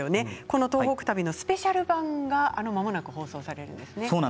東北旅のスペシャル版がまもなく放送されます。